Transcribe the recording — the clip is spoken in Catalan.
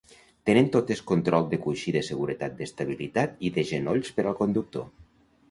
Tenen totes control de coixí de seguretat d'estabilitat i de genolls per al conductor.